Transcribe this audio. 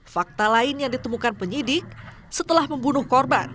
fakta lain yang ditemukan penyidik setelah membunuh korban